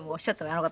あの方。